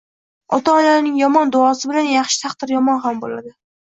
Ota-onaning yomon duosi bilan yaxshi taqdir yomon ham bo‘ladi